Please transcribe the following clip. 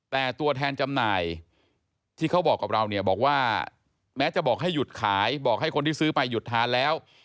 แต่ตัวแทนจำหน่ายที่เขาบอกกับเราเนี่ยบอกว่าแม้จะบอกให้หยุดขายบอกให้คนที่ซื้อไปหยุดทานแล้ว